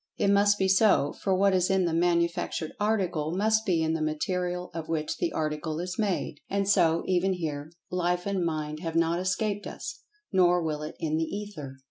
It must be so, for what is in the manufactured article must be in the material of which the article is made. And so, even here, Life and Mind have not escaped us. Nor will it in The Ether!